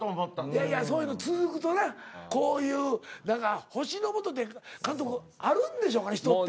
いやいやそういうの続くとなこういう星の下って監督あるんでしょうかね人って。